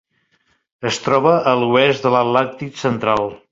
Es troba a l'oest de l'Atlàntic central.